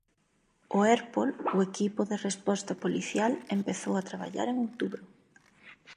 O Erpol, o Equipo de Resposta Policial, empezou a traballar en outubro.